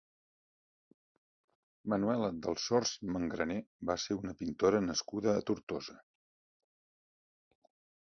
Manuela Delsors Mangrané va ser una pintora nascuda a Tortosa.